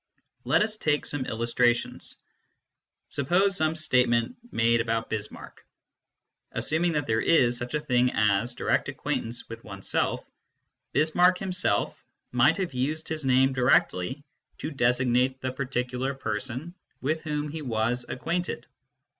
Let us take some illustrations. Suppose some state ment made about Bismarck. Assuming that there is such a thing as direct acquaintance with oneself, Bismarck himself might have used his name directly to designate the particular person with whom he was acquainted.